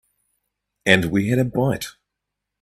And we had a bite.